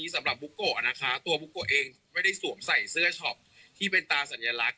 สำหรับบุโกะนะคะตัวบุโกะเองไม่ได้สวมใส่เสื้อช็อปที่เป็นตาสัญลักษณ